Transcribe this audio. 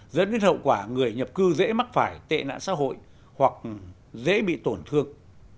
dẫn đến hậu quả người nhập cư dễ mắc phải tệ nạn xã hội hoặc dễ bị tổn thương